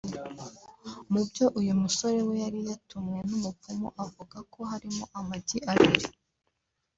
Mu byo uyu musore we yari yatumwe n’umupfumu avuga ko harimo amagi abiri